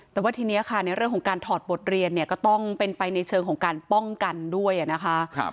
แต่ว่าทีนี้ค่ะในเรื่องของการถอดบทเรียนเนี่ยก็ต้องเป็นไปในเชิงของการป้องกันด้วยนะคะ